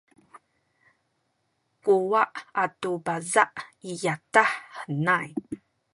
kuwa’ atu paza’ i yadah henay